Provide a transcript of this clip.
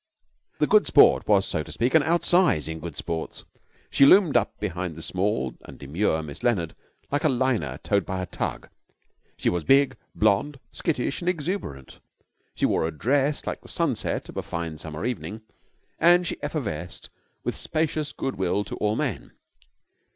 The Good Sport was, so to speak, an outsize in Good Sports. She loomed up behind the small and demure Miss Leonard like a liner towed by a tug. She was big, blonde, skittish, and exuberant; she wore a dress like the sunset of a fine summer evening, and she effervesced with spacious good will to all men.